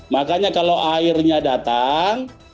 makanya kalau airnya datang